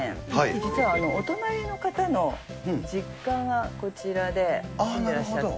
実はお隣の方の実家がこちらでいらっしゃって。